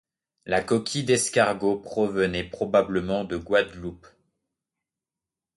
La coquille d'escargot provenait probablement de Guadeloupe.